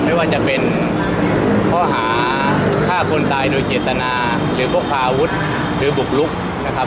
ไม่ว่าจะเป็นข้อหาฆ่าคนตายโดยเจตนาหรือพกพาอาวุธหรือบุกลุกนะครับ